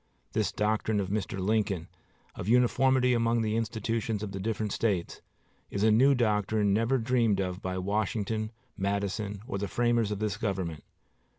This doctrine of Mr. Lincoln, of uniformity among the institutions of the different States, is a new doctrine never dreamed of by Washington, Madison, or the framers of this government.